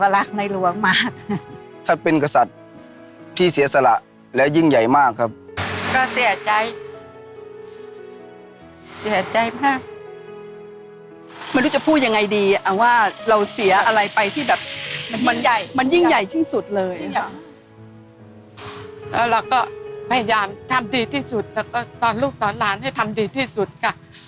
แล้วเราก็พยายามทำดีที่สุดแล้วก็ตอนลูกตอนล้านให้ทำดีที่สุดค่ะ